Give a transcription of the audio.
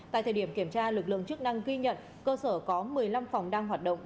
tại thời điểm kiểm tra lực lượng chức năng ghi nhận cơ sở có một mươi năm phòng đang hoạt động